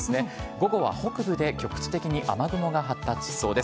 午後は北部で局地的な雨雲が発達しそうです。